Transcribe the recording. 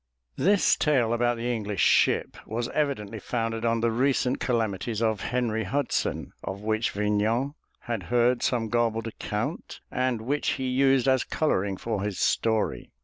This tale about the English ship was evidently founded on the recent calamities of Henry Hudson, of which Vignan had heard some garbled account, and which he used as coloring for his story.